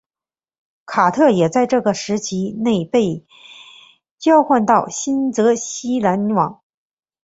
卡特也在这个时期内被交换到新泽西篮网。